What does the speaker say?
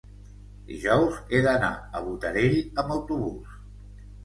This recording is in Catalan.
dijous he d'anar a Botarell amb autobús.